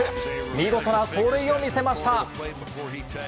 見事な走塁を見せました。